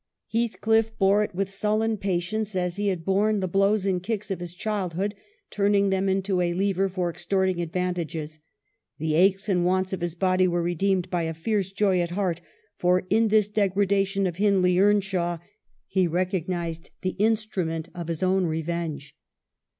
Heathcliff bore it with sullen patience, as he had borne the blows and kicks of his childhood, turning them into a lever for extorting advantages ; the aches and wants of his body were redeemed by a fierce joy at heart, for in this degradation of Hindley Earnshaw he recognized the instrument of his own revenge.